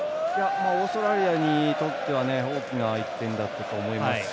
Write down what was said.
オーストラリアにとっては大きな１点だったと思いますし